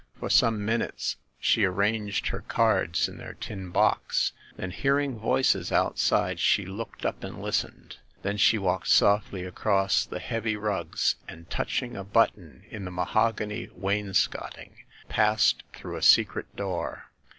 For some minutes she arranged her cards in their tin box ; then, hearing voices outside, she looked up and listened. Then she walked softly across the heavy rugs and, touching a button in the mahogany wainscoting, passed through a secret door.